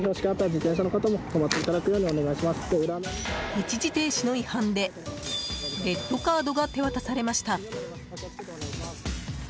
一時停止の違反でレッドカードが手渡されました。